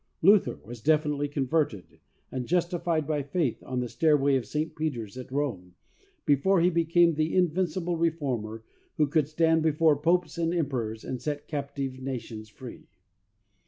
Luther was definitely converted and jus tified by faith on the stairway of St. Peter's at Rome before he became the invincible re former who could stand before popes and emperors and set captive nations free.